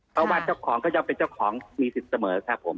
เพราะว่าเจ้าของก็ยังเป็นเจ้าของมีสิทธิ์เสมอครับผม